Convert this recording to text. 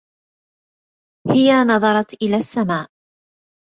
هي نظرت إلى السماء.